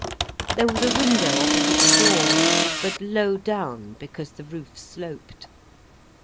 There was a window opposite the door, but low down, because the roof sloped.